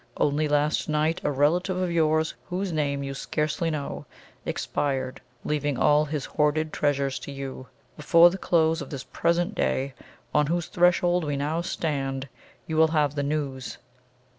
Only last night a relative of yours, whose name you scarcely know, expired, leaving all his hoarded treasures to you. Before the close of this present day, on whose threshold we now stand, you will have the news.